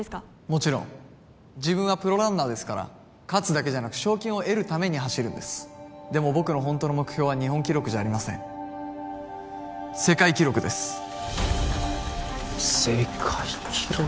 もちろん自分はプロランナーですから勝つだけじゃなく賞金を得るために走るんですでも僕のホントの目標は日本記録じゃありません世界記録です世界記録